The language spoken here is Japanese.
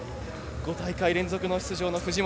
５大会連続出場の藤本。